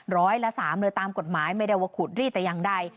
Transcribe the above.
ร้อยละ๓เลยตามกฎหมายไม่ได้ว่าขุดรีดแต่อย่างใด